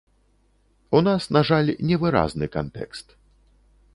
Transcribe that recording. У нас, на жаль, невыразны кантэкст.